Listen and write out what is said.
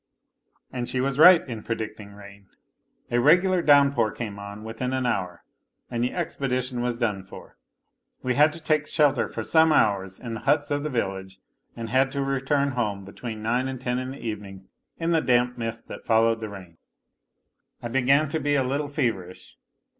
And she was right in predicting rain. A regular downpour came on within an hour and the expedition was done for. Wo had to take shelter for some hours in the huts of the village, and had to return home between nine and ten in the evening in the damp mist that followed the rain. I began to be a little feverish.